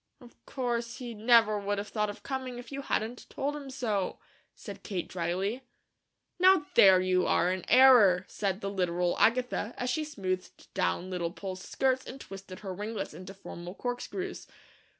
"Of course he never would have thought of coming, if you hadn't told him so," said Kate dryly. "Now THERE you are in error," said the literal Agatha, as she smoothed down Little Poll's skirts and twisted her ringlets into formal corkscrews.